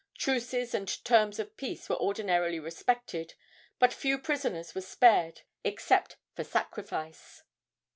Truces and terms of peace were ordinarily respected, but few prisoners were spared except for sacrifice.